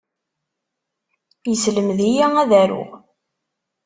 Yesselmed-iyi ad aruɣ.